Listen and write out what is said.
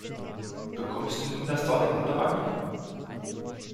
Bekommst du nun das Darlehen von der Bank?